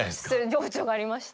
情緒がありました。